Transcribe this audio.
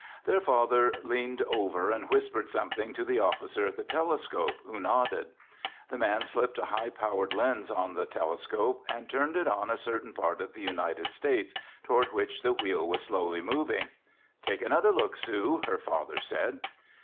Their father leaned over and whispered something to the officer at the telescope, who nodded. The man slipped a high power lens on the telescope and turned it on a certain part of the United States, toward which the Wheel was slowly moving. "Take another look, Sue," her father said.